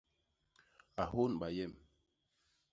A hônba yem!